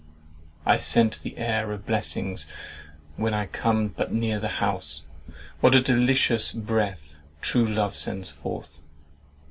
I scent the air Of blessings when I come but near the house. What a delicious breath true love sends forth!